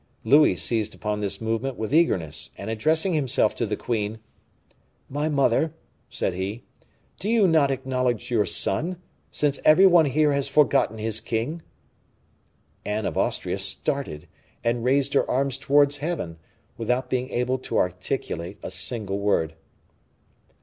Louis seized upon this movement with eagerness, and addressing himself to the queen: "My mother," said he, "do you not acknowledge your son, since every one here has forgotten his king!" Anne of Austria started, and raised her arms towards Heaven, without being able to articulate a single word.